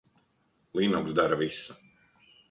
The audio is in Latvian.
Linux dara visu.